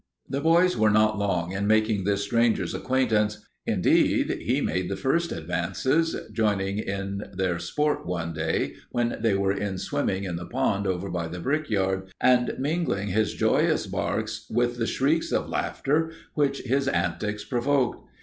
The boys were not long in making this stranger's acquaintance. Indeed, he made the first advances, joining in their sport one day when they were in swimming in the pond over by the brickyard, and mingling his joyous barks with the shrieks of laughter which his antics provoked.